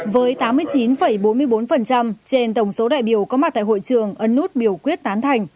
với tám mươi chín bốn mươi bốn trên tổng số đại biểu có mặt tại hội trường ấn nút biểu quyết tán thành